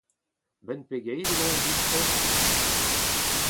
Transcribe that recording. A-benn pegeit e vo-eñ distro ?